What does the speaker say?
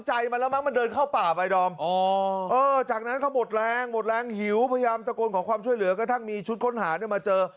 ฮือจากนั้นก็หมดแล้วหมดแล้วหนิ้วพยายามตะโกนของความเช่นเหลือก็ดั้งมีชุดค้นหาด้วยมาเจอ